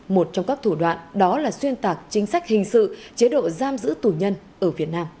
một trong các thủ đoạn đó là xuyên tạc chính sách hình sự chế độ giam giữ tù nhân ở việt nam